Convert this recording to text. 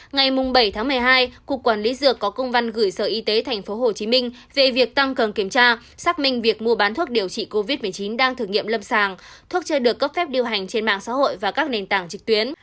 ngày bảy tháng một mươi hai cục quản lý dược có công văn gửi sở y tế tp hcm về việc tăng cường kiểm tra xác minh việc mua bán thuốc điều trị covid một mươi chín đang thử nghiệm lâm sàng thuốc chưa được cấp phép điều hành trên mạng xã hội và các nền tảng trực tuyến